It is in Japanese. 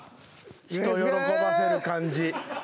人を喜ばせる感じ。